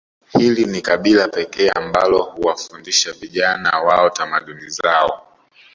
Hili ni kabila pekee ambalo huwafundisha vijana wao tamaduni zao